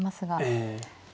ええ。